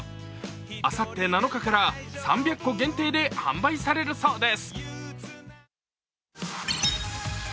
あさって７日から３００個限定で販売されるそうです。